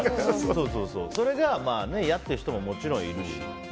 それが嫌っていう人ももちろんいるし。